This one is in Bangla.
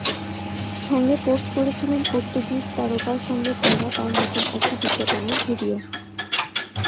সঙ্গে পোস্ট করেছিলেন পর্তুগিজ তারকার সঙ্গে করা তাঁর নতুন একটি বিজ্ঞাপনের ভিডিও।